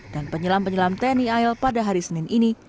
dan penyelam penyelam tni ail pada hari senin ini